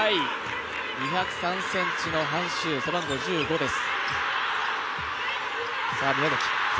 ２０３ｃｍの韓旭、背番号１５です。